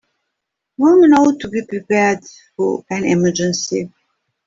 A woman ought to be prepared for any emergency.